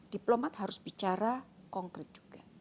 diplomat harus bicara konkret juga